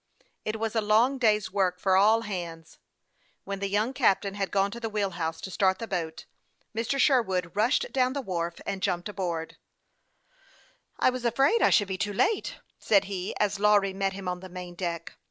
It was a long day's work for all hands who were needed in running the boat. When the young captain had gone to the wheel house to start the boat, Mr. Sherwood rushed down the wharf, and jumped aboard. " I was afraid I should be too late," said he, as Lawry met him on the main deck.